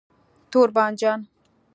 🍆 تور بانجان